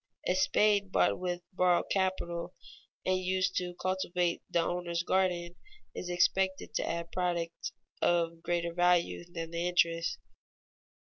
A spade bought with borrowed capital and used to cultivate the owner's garden is expected to add products of greater value than the interest.